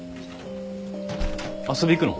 遊び行くの？